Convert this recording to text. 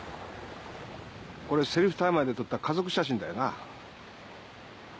これセルフタイマーで撮った家族写真だよな？